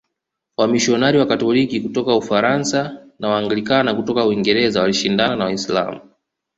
Wamisionari Wakatoliki kutoka Ufaransa na Waanglikana kutoka Uingereza walishindana na Waislamu